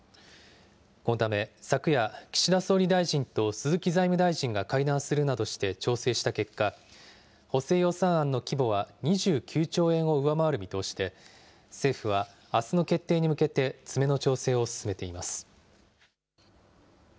このため、昨夜、岸田総理大臣と鈴木財務大臣が会談するなどして調整した結果、補正予算案の規模は２９兆円を上回る見通しで、政府はあすの決定に向けて、詰めの調整を進めています。